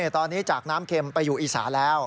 ตอนนี้จากน้ำเข็มไปอยู่อีสานแล้ว